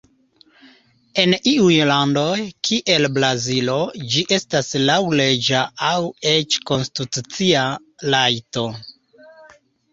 En iuj landoj, kiel Brazilo, ĝi estas laŭleĝa aŭ eĉ konstitucia rajto.